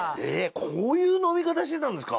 こういう飲み方してたんですか。